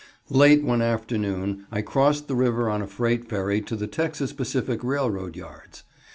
_ Late one afternoon I crossed the river on a freight ferry to the Texas Pacific railroad yards.